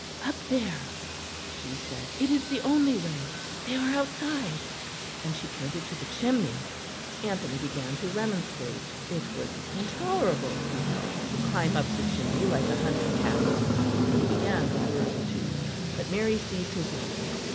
"Up there," she said, "it is the only way they are outside," and she pointed to the chimney. Anthony began to remonstrate. It was intolerable, he felt, to climb up the chimney like a hunted cat, and he began a word or two. But Mary seized his arm.